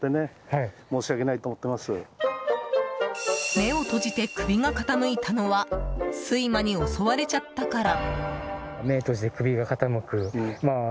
目を閉じて首が傾いたのは睡魔に襲われちゃったから。